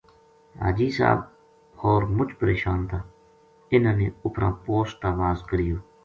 حاجی صاحب ہور مُچ پرشان تھا اِنھاں نے اُپھراں پوسٹ تا واز کریو